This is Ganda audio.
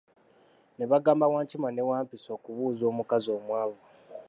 Ne bagamba Wankima ne Wampisi okubuuza omukazi omwavu.